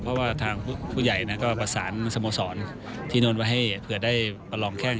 เพราะว่าทางผู้ใหญ่ก็ประสานสโมสรที่โน้นไว้ให้เผื่อได้ประลองแข้ง